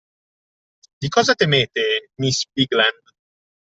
Di che cosa temete, miss Bigland?